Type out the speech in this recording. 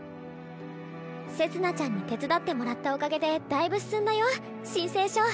せつ菜ちゃんに手伝ってもらったおかげでだいぶ進んだよ申請書。